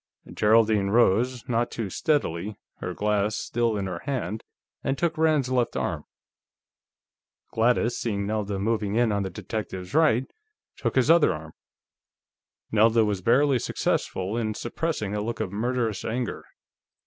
Geraldine rose, not too steadily, her glass still in her hand, and took Rand's left arm. Gladys, seeing Nelda moving in on the detective's right, took his other arm. Nelda was barely successful in suppressing a look of murderous anger.